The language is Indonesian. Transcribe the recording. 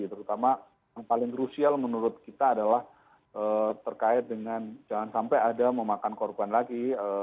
terutama yang paling krusial menurut kita adalah terkait dengan jangan sampai ada memakan korban lagi